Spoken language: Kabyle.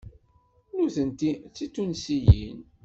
Nutenti d Titunsiyin.